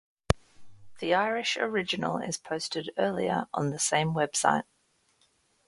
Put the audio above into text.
The Irish original is posted earlier on the same website.